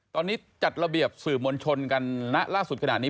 ตอนนี้จัดระเบียบสื่อมวลชนกันนะล่าสุดขนาดนี้